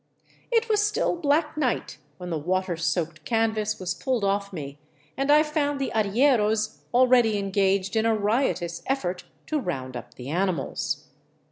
It was still black night when the water soaked canvas was pulled ofif me, and I found the arrieros already engaged in a riotous effort to round up the animals.